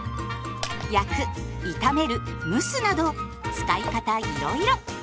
焼く炒める蒸すなど使い方いろいろ。